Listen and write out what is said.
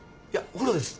風呂です。